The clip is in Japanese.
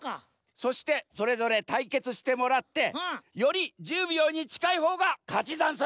そしてそれぞれたいけつしてもらってより１０秒にちかいほうが勝ちざんす！